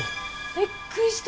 びっくりした！